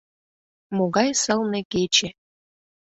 — Могай сылне кече!